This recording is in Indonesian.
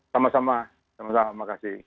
sama sama sama sama terima kasih